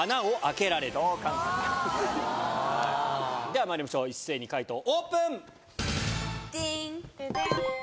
ではまいりましょう一斉に解答オープン。